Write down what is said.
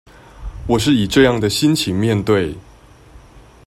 我是以這樣的心情面對